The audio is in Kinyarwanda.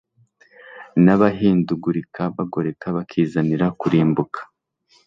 n’abahindugurika bagoreka bakizanira kurimbuka.